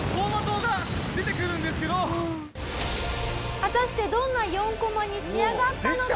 「果たしてどんな４コマに仕上がったのか？」